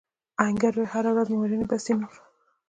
آهنګر وویل هره ورځ مو وژني بس دی نور.